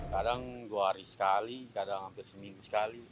kadang dua hari sekali kadang hampir seminggu sekali